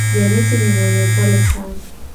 Janet ni mwenye upole sana.